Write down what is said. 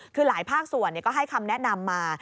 คือหลายภาคส่วนก็ให้คำแนะนำมา